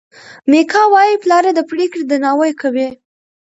میکا وايي پلار یې د پرېکړې درناوی کوي.